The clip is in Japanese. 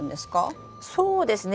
そうですね。